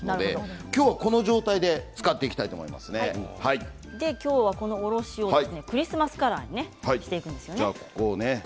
きょうはこの状態で使っていききょうはこのおろしをクリスマスカラーにしていくんですよね。